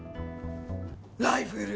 ライフル！